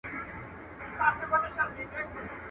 جهاني به وي د شپو له کیسو تللی.